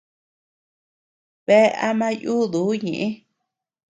Bea ama yuduu ñeʼë.